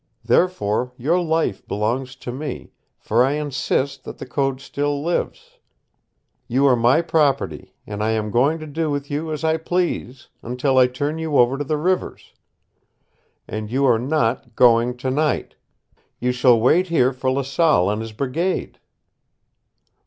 Therefore your life belongs to me, for I insist that the code still lives. You are my property, and I am going to do with you as I please, until I turn you over to the Rivers. And you are not going tonight. You shall wait here for Laselle and his brigade."